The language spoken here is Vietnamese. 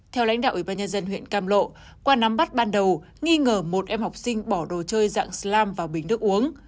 theo lãnh đạo ủy ban nhân dân huyện cam lộ qua nắm bắt ban đầu nghi ngờ một em học sinh bỏ đồ chơi dạng slam vào bình nước uống